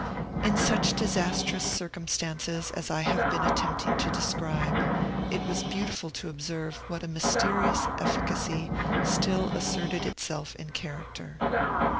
In such disastrous circumstances as I have been attempting to describe, it was beautiful to observe what a mysterious efficacy still asserted itself in character.